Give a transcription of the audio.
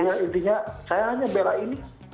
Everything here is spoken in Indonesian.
alah itu ya intinya saya hanya bela ini